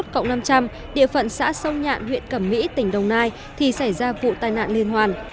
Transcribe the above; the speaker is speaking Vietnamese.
cộng năm trăm linh địa phận xã sông nhạn huyện cẩm mỹ tỉnh đồng nai thì xảy ra vụ tai nạn liên hoàn